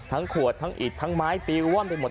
ขวดทั้งอิดทั้งไม้ปิวว่อนไปหมด